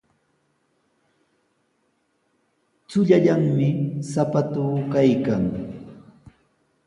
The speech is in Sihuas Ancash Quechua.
Chullallami sapatuu kaykan.